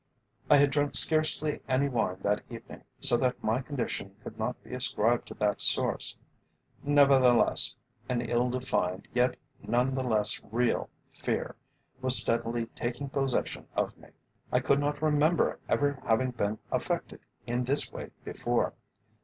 I had drunk scarcely any wine that evening, so that my condition could not be ascribed to that source. Nevertheless, an ill defined, yet none the less real, fear was steadily taking possession of me. I could not remember ever having been affected in this way before.